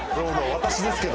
私ですけどね。